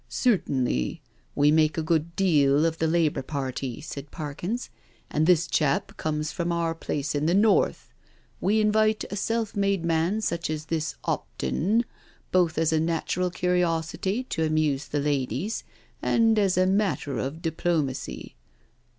"Certainly. We make a good deal of the Labour Party, '^ said Parkins, " and this chap comes from our place in the north. We invite a self made man such as this 'Opton, both as a natural curiosity to amuse the ladies, and as a matter of diplomacy.